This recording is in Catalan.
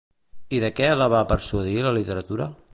I de què la va persuadir la literatura?